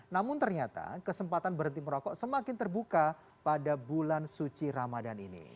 namun ternyata kesempatan berhenti merokok semakin terbuka pada bulan suci ramadan ini